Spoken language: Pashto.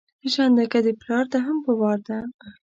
ژېرنده که ده پلار ده هم په وار ده